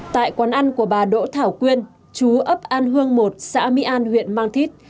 tại quán ăn của bà đỗ thảo quyên chú ấp an hương một xã mỹ an huyện mang thít